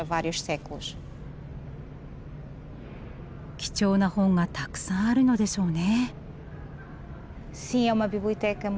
貴重な本がたくさんあるのでしょうね。